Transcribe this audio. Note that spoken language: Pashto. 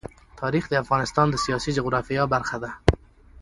تاریخ د افغانستان د سیاسي جغرافیه برخه ده.